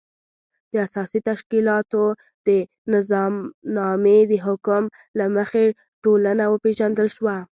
د اساسي تشکیلاتو د نظامنامې د حکم له مخې ټولنه وپېژندل شوه.